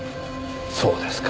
そうですか。